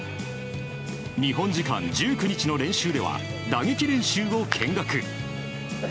日本時間１９日の練習では打撃練習を見学。